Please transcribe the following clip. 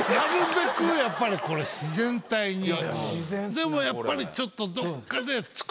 でもやっぱりちょっと。